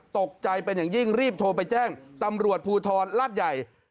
ตกใจเป็นอย่างยิ่งรีบโทรไปแจ้งตำรวจภูทรลาดใหญ่